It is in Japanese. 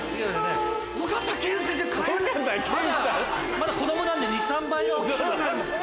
まだ子供なんで２３倍は。大きくなるんすか？